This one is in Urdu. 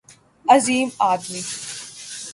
عظیم آدمی